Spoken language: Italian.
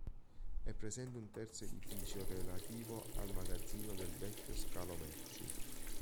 È presente un terzo edificio relativo al magazzino del vecchio scalo merci.